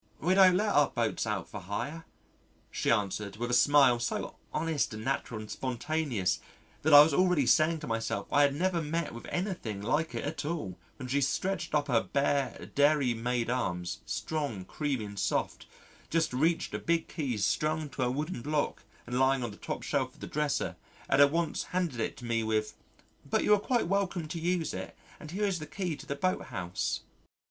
"We don't let our boat out for hire," she answered with a smile so honest and natural and spontaneous that I was already saying to myself I had never met with anything like it at all when she stretched up her bare, dairy maid arm strong, creamy and soft, just reached a big key strung to a wooden block and lying on the top shelf of the dresser and at once handed it to me with: "But you are quite welcome to use it and here is the key to the boathouse."